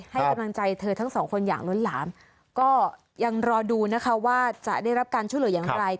ให้กำลังใจเธอทั้งสองคนอย่างล้นหลามก็ยังรอดูนะคะว่าจะได้รับการช่วยเหลืออย่างไร